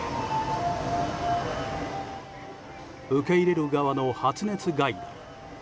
受け入れる側の発熱外来。